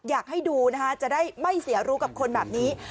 อยากให้ดูนะคะจะได้ไม่เสียรู้กับคนแบบนี้